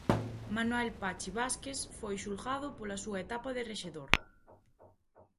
Manuel Pachi Vázquez foi xulgado pola súa etapa de rexedor.